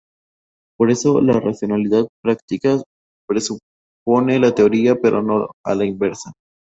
Por eso, la racionalidad práctica presupone la teórica, pero no a la inversa.